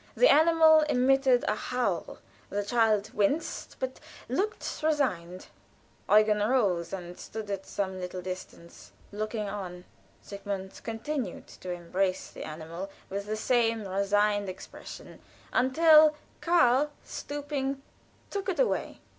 The animal emitted a howl; the child winced, but looked resigned. Eugen rose and stood at some little distance, looking on. Sigmund continued to embrace the animal with the same resigned expression, until Karl, stooping, took it away.